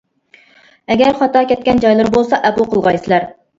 ئەگەر خاتا كەتكەن جايلىرى بولسا ئەپۇ قىلغايسىلەر!